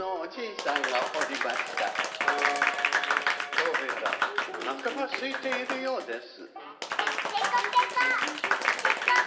どうやらおなかがすいているようです